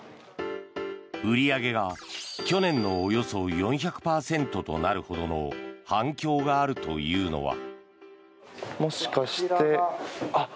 売り上げが去年のおよそ４００％となるほどの反響があるというのは。